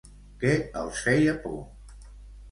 Què els feia por?